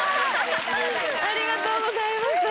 ありがとうございます。